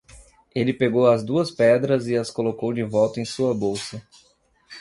Ele pegou as duas pedras e as colocou de volta em sua bolsa.